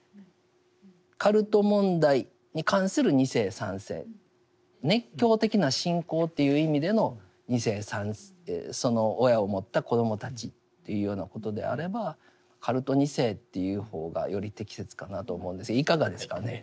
カルト問題に関する２世３世熱狂的な信仰という意味での２世３世その親を持った子どもたちというようなことであればカルト２世と言う方がより適切かなと思うんですけどいかがですかね？